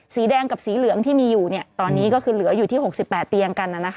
สีแดงกับสีเหลืองที่มีอยู่ตอนนี้ก็คือเหลืออยู่ที่๖๘เตียงกัน